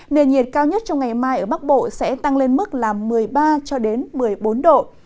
nền nhiệt cao nhất trong ngày mai ở bắc bộ sẽ tăng lên mức một mươi ba một mươi bốn độ